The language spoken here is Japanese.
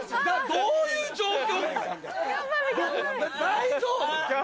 どういう状況？